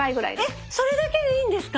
えっそれだけでいいんですか？